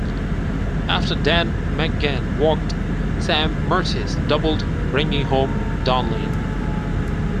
After Dan McGann walked, Sam Mertes doubled, bringing home Donlin.